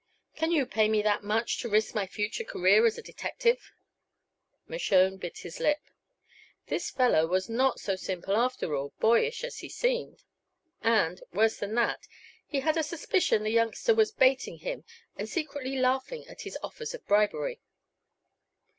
Can you pay me that much to risk my future career as a detective?" Mershone bit his lip. This fellow was not so simple, after all, boyish as he seemed. And, worse than all, he had a suspicion the youngster was baiting him, and secretly laughing at his offers of bribery.